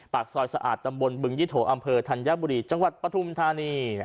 ปากซอยสะอาดตำบลบึงยี่โถอำเภอธัญบุรีจังหวัดปฐุมธานี